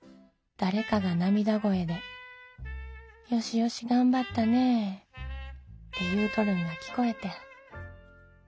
誰かが涙声で『よしよし頑張ったねえ』て言うとるんが聞こえてん。